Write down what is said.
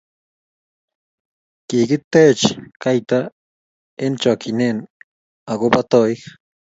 Kikitech kaita eng chokchinee ak kobo toik.